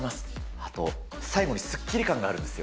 あと、最後にすっきり感があるんですよ。